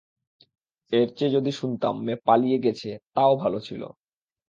এর চেয়ে যদি শুনতাম মেয়ে পালিয়ে গেছে, তাও ভালো ছিল।